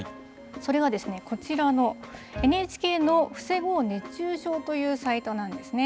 それはですね、こちらのＮＨＫの防ごう熱中症というサイトなんですね。